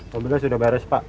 mobilnya sudah beres pak